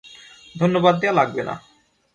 ধন্যবাদ দেওয়া লাগবে না।